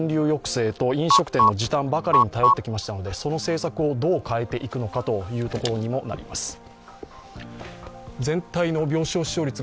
抑制と飲食店の時短ばかりに頼ってきましたので、その政策をどう変えていくのかというところにもなります。